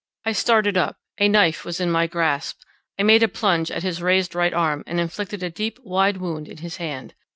I started up—a knife was in my grasp; I made a plunge at his raised right arm, and inflicted a deep, wide wound in his hand.